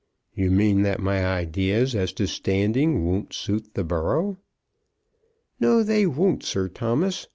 "You mean that my ideas as to standing won't suit the borough." "No, they won't, Sir Thomas.